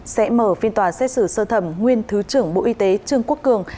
sẽ mở phiên tòa xét xử sơ thẩm nguyên thứ trưởng bộ y tế trương quốc cường